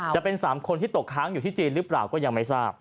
จะเป็น๓คนที่ตกค้างอยู่ที่จีนหรือเปล่าก็ยังไม่ทราบ